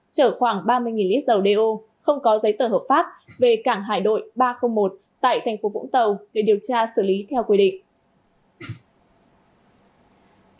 chở khoảng ba mươi lít dầu đeo không có giấy tờ hợp pháp về cảng hải đội ba trăm linh một tại thành phố vũng tàu để điều tra xử lý theo quy định